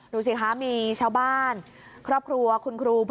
ดูสิคะมีชาวบ้านครอบครัวคุณครู